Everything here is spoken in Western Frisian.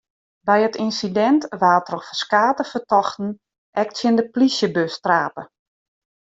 By it ynsidint waard troch ferskate fertochten ek tsjin de plysjebus trape.